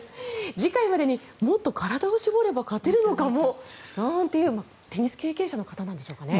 次回までにもっと体を絞れば勝てるのかもなんていうテニス経験者の方なんでしょうかね。